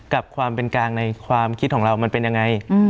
กับความเป็นกลางในความคิดของเรามันเป็นยังไง